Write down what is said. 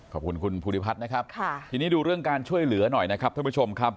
ขอบคุณคุณภูริพัฒน์นะครับทีนี้ดูเรื่องการช่วยเหลือหน่อยนะครับท่านผู้ชมครับ